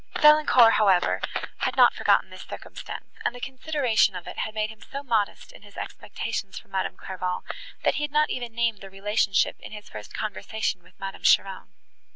Valancourt, however, had not forgotten this circumstance, and the consideration of it had made him so modest in his expectations from Madame Clairval, that he had not even named the relationship in his first conversation with Madame Cheron.